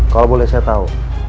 kalau boleh saya tahu